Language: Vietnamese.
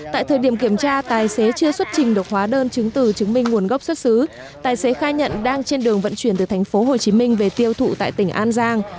tại thời điểm kiểm tra tài xế chưa xuất trình được hóa đơn chứng từ chứng minh nguồn gốc xuất xứ tài xế khai nhận đang trên đường vận chuyển từ tp hcm về tiêu thụ tại tỉnh an giang